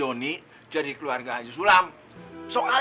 oh sama si weights renang ya ya